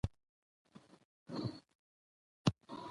مکتب پرانیستی د جینکیو